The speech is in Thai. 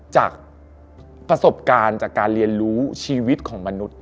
จากประสบการณ์จากการเรียนรู้ชีวิตของมนุษย์